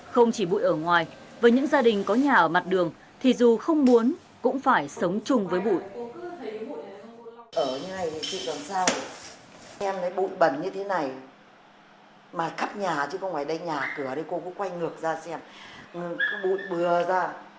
không chỉ bụi ở ngoài với những gia đình có nhà ở mặt đường thì dù không muốn cũng phải sống chung với bụi